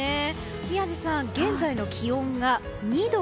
宮司さん、現在の気温が２度。